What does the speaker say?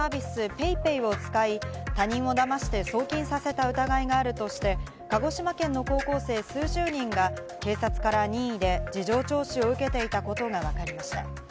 ・ＰａｙＰａｙを使い、他人を騙して送金させた疑いがあるとして、鹿児島県の高校生、数十人が警察から任意で事情聴取を受けていたことがわかりました。